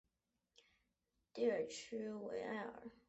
蒂尔屈埃维尔。